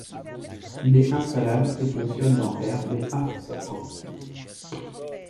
Il est installable et fonctionne dans R mais a sa propre fenêtre.